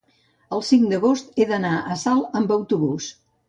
el cinc d'agost he d'anar a Salt amb autobús.